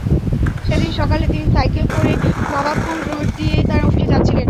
সেদিন সকালে তিনি সাইকেলে করে নবাবপুর রোড দিয়ে তাঁর অফিসে যাচ্ছিলেন।